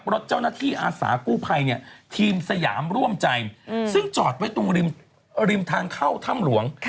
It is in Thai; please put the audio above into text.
รถเจ้าหน้าที่อาสากู้ภัยเนี่ยทีมสยามร่วมใจซึ่งจอดไว้ตรงริมทางเข้าถ้ำหลวง